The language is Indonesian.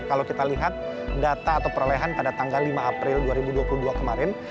kalau kita lihat data atau perolehan pada tanggal lima april dua ribu dua puluh dua kemarin